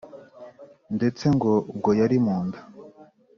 ndetse ngo ubwo yari mu nda